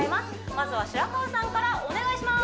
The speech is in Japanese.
まずは白川さんからお願いします